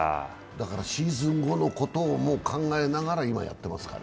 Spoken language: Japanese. だからシーズン後のことをもう考えながら、今やってますかね？